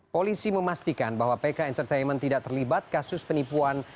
polisi memastikan bahwa pk entertainment tidak terlibat kasus penipuan